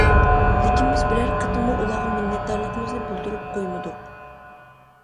لېكىن بىز بىرەر قېتىممۇ ئۇلارغا مىننەتدارلىقىمىزنى بىلدۈرۈپ قويمىدۇق.